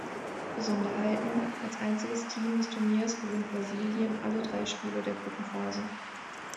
Besonderheiten: Als einziges Team des Turniers gewinnt Brasilien alle drei Spiele der Gruppenphase.